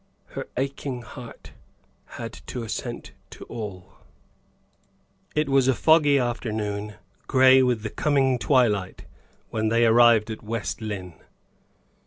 Her aching heart had to assent to all. It was a foggy afternoon, gray with the coming twilight, when they arrived at West Lynne.